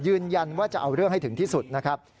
ยืนยันว่าจะเอาเรื่องให้ถึงที่สุดนะครับ